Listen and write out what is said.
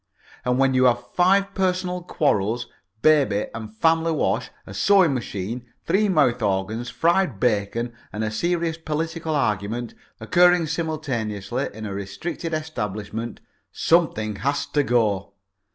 And when you have five personal quarrels, baby, the family wash, a sewing machine, three mouth organs, fried bacon, and a serious political argument occurring simultaneously in a restricted establishment, something has to go.